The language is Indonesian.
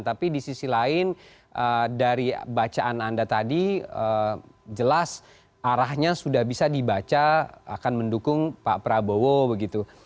tapi di sisi lain dari bacaan anda tadi jelas arahnya sudah bisa dibaca akan mendukung pak prabowo begitu